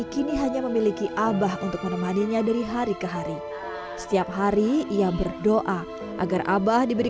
kini hanya memiliki abah untuk menemaninya dari hari ke hari setiap hari ia berdoa agar abah diberi